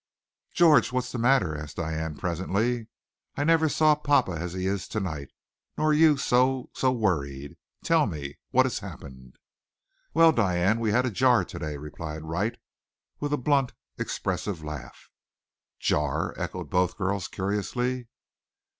"George, what's the matter?" asked Diane presently. "I never saw papa as he is to night, nor you so so worried. Tell me, what has happened?" "Well, Diane, we had a jar to day," replied Wright, with a blunt, expressive laugh. "Jar?" echoed both the girls curiously.